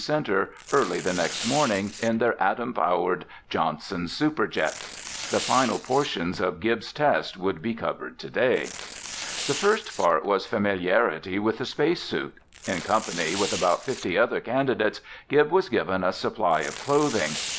center early the next morning in their atom powered Johnson Superjet. The final portions of Gib's test would be covered today. The first part was familiarity with the space suit. In company with about fifty other candidates, Gib was given a supply of clothing.